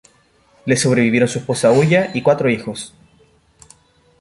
Le sobrevivieron su esposa Ulla y cuatro hijos.